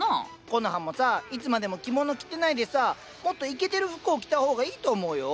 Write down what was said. コノハもさあいつまでも着物着てないでさもっとイケてる服を着た方がいいと思うよ。